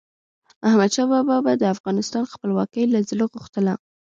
احمدشاه بابا به د افغانستان خپلواکي له زړه غوښتله.